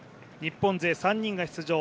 日本勢３人が出場。